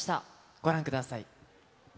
ご覧ください。